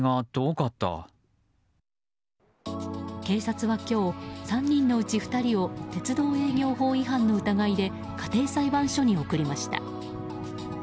警察は今日、３人のうち２人を鉄道営業法違反の疑いで家庭裁判所に送りました。